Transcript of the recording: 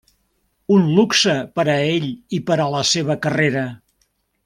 Un luxe per a ell i per a la seva carrera.